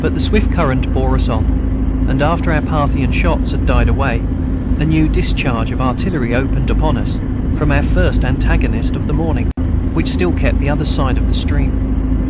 But the swift current bore us on, and after our Parthian shots had died away, a new discharge of artillery opened upon us, from our first antagonist of the morning, which still kept the other side of the stream.